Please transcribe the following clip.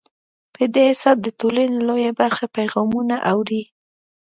په دې حساب د ټولنې لویه برخه پیغامونه اوري.